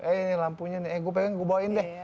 eh ini lampunya nih gue pengen gue bawain deh